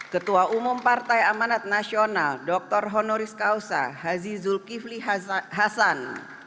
ketua umum partai amanat nasional dr honoris causa haji zulkifli hasan